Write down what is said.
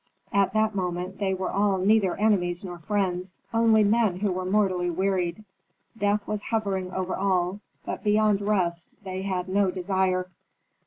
At that moment they were all neither enemies nor friends, only men who were mortally wearied. Death was hovering over all, but beyond rest they had no desire.